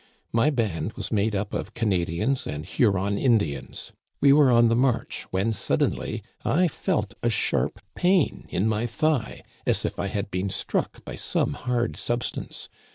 My band was made up of Canadians and Huron Indians. We were on the march, when suddenly I felt a sharp pain in my thigh, as if I had been struck by some hard substance.